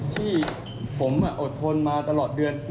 ที่ผมอดทนมาตลอดเดือน